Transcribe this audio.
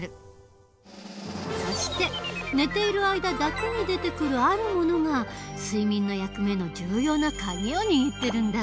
そして寝ている間だけに出てくるあるものが睡眠の役目の重要な鍵を握ってるんだ。